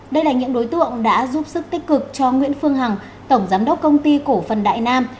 đây là những đối tượng đã giúp sức tích cực cho nguyễn phương hằng tổng giám đốc công ty cổ phần đại nam